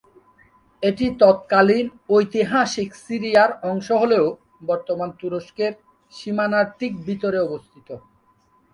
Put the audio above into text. এটি তৎকালীন ঐতিহাসিক সিরিয়ার অংশ হলেও বর্তমান তুরস্কের সীমানার ঠিক ভিতরে অবস্থিত।